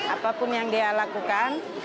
apapun yang dia lakukan